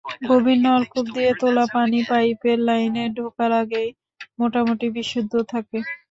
গভীর নলকূপ দিয়ে তোলা পানি পাইপের লাইনে ঢোকার আগে মোটামুটি বিশুদ্ধ থাকে।